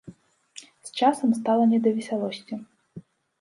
З часам стала не да весялосці.